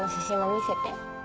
見せて。